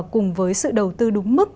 cùng với sự đầu tư đúng mức